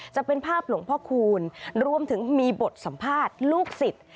จะเป็นภาพหลวงพ่อคูณรวมถึงมีบทสัมภาษณ์ลูกศิษย์